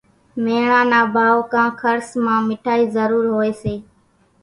ميڻا نا ڀائو ڪان کرس مان مِٺائِي ضرور هوئيَ سي۔